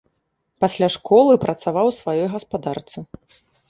Пасля школы працаваў у сваёй гаспадарцы.